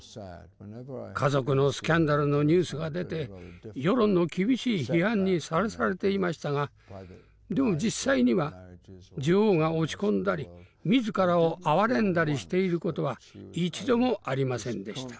家族のスキャンダルのニュースが出て世論の厳しい批判にさらされていましたがでも実際には女王が落ち込んだり自らを哀れんだりしていることは一度もありませんでした。